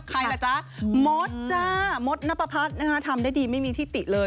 ใครล่ะจ๊ะมดจ้ามดนับประพัฒน์นะคะทำได้ดีไม่มีที่ติเลย